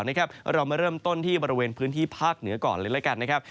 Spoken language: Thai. เรามาเริ่มต้นที่บริเวณพื้นที่ภาคเหนือก่อนเลยละกันนะครับ